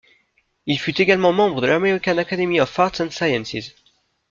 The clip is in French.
Il fut également membre de l'American Academy of Arts and Sciences.